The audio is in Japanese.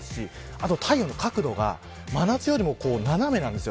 あとは太陽の角度が真夏よりも斜めなんです。